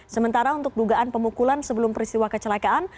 sementara untuk dugaan pemukulan sebelum peristiwa kecelakaan